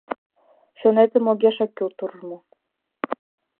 Чонетым огешак кӱл туржмо.